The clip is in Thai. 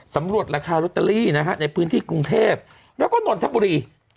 สำรวจราคาลอตเตอรี่นะฮะในพื้นที่กรุงเทพแล้วก็นนทบุรี